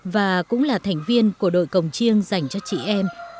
và cũng là thành viên của đội cổng chiêng dành cho chị em